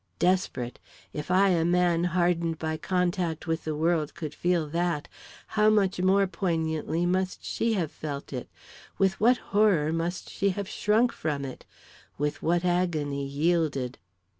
Desperate! If I, a man hardened by contact with the world, could feel that, how much more poignantly must she have felt it with what horror must she have shrunk from it with what agony yielded!